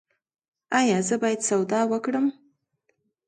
ایا زه باید سودا وکړم؟